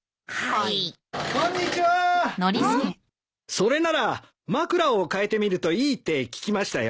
それなら枕を替えてみるといいって聞きましたよ。